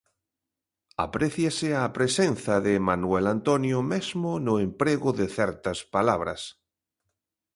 Apréciase a presenza de Manuel Antonio mesmo no emprego de certas palabras.